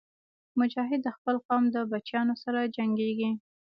مجاهد د خپل قوم د بچیانو لپاره جنګېږي.